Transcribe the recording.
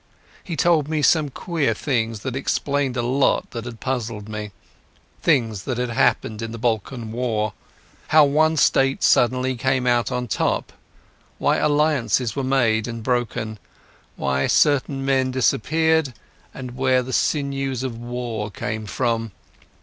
He told me some queer things that explained a lot that had puzzled me—things that happened in the Balkan War, how one state suddenly came out on top, why alliances were made and broken, why certain men disappeared, and where the sinews of war came from.